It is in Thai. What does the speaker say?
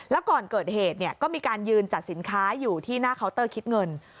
แล้วก่อนเกิดเหตุก็มีการยืนจัดสินค้าอยู่ที่หน้าเคาน์เตอร์คิดเงิน